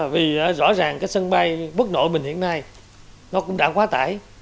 vì rõ ràng sân bay bất nội mình hiện nay nó cũng đã quá tải